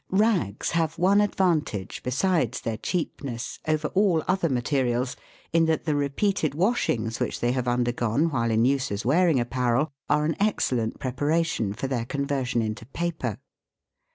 Rags have one advantage, besides their cheapness, over all other materials, in that the repeated washings which they have undergone while in use as wearing apparel, are an excellent preparation for their conversion into paper.